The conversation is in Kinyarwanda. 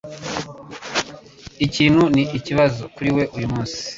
Ikintu ni ikibazo kuri we uyu munsi.